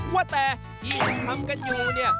ว่าแต่ที่ยังทำกันอยู่เนี่ย